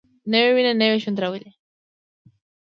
نوې وینه نوی ژوند راولي